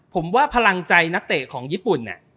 ผมว่าพลังใจนักเตะของญี่ปุ่นเนี่ย